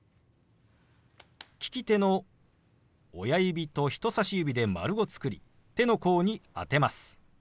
利き手の親指と人さし指で丸を作り手の甲に当てます。